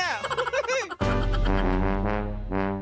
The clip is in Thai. ฮ่าฮ่าฮ่า